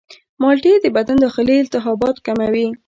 مالټې د بدن داخلي التهابات کموي.